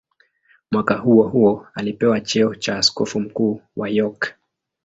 Mwaka huohuo alipewa cheo cha askofu mkuu wa York.